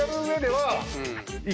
はい。